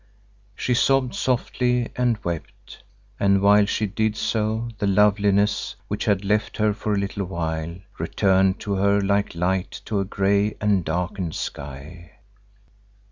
She sobbed softly and wept and while she did so the loveliness, which had left her for a little while, returned to her like light to a grey and darkened sky.